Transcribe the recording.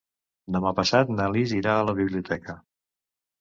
Demà passat na Lis irà a la biblioteca.